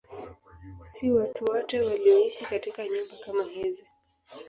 Si watu wote walioishi katika nyumba kama hizi.